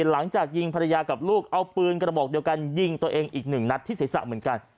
หลังจากยิงภรรยากับลูกเอาปืนกระบอกเดียวกันยิงตัวเองอีกหนึ่งนัดที่ศีรษะเหมือนกัน